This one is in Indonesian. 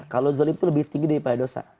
kalau zolim itu lebih tinggi daripada dosa